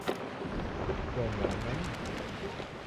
ส่วนหลานนั้น